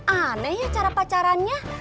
aneh ya cara pacarannya